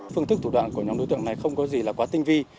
phương thức thủ đoạn của nhóm đối tượng này không có gì là quá tinh vi